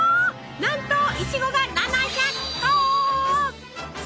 なんといちごが７００個！